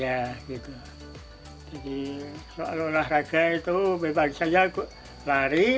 jadi soal olahraga itu memang saya lari